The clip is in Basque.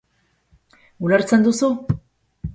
Ulertzen duzu?